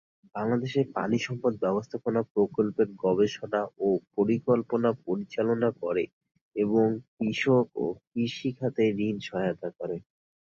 বাংলাদেশে পানি সম্পদ ব্যবস্থাপনা প্রকল্পের গবেষণা ও পরিকল্পনা পরিচালনা করে এবং কৃষক ও কৃষি খাতে ঋণ সহায়তা করে।